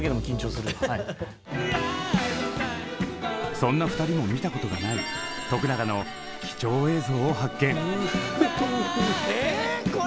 そんな２人も見たことがない永の貴重映像を発見。